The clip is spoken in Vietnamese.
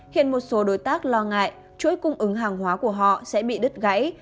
hiện một số đối tác lo ngại chuỗi cung ứng hàng hóa của họ sẽ bị đứt gãy